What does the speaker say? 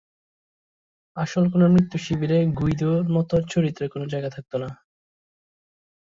আসল কোন মৃত্যু শিবিরে "গুইদো"'র মত চরিত্রের কোন জায়গা থাকত না।